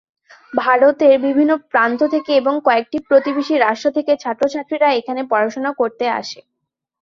ভারতের বিভিন্ন প্রান্ত থেকে এবং কয়েকটি প্রতিবেশী রাষ্ট্র থেকে ছাত্রছাত্রীরা এখানে পড়াশোনা করতে আসে।